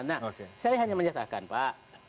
nah saya hanya menyatakan pak